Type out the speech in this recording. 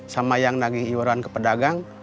sama yang nagih iuran ke pedagang